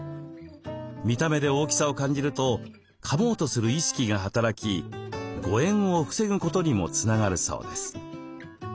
見た目で大きさを感じるとかもうとする意識が働き誤えんを防ぐことにもつながるそうです。